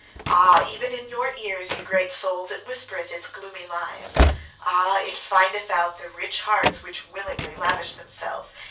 Ah! even in your ears, ye great souls, it whispereth its gloomy lies! Ah! it findeth out the rich hearts which willingly lavish themselves!